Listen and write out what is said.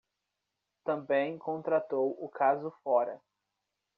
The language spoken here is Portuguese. Também contratou o caso fora